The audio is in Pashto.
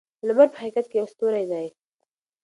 لمر په حقیقت کې یو ستوری دی.